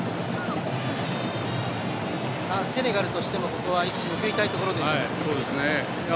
セネガルとしてもここは一矢報いたいところです。